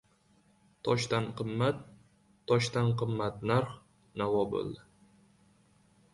Toshdan qimmat-toshdan qimmat narx-navo bo‘ldi!